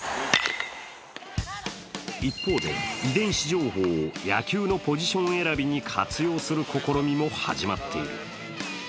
一方で、遺伝子情報を野球のポジション選びに活用する試みも始まっている。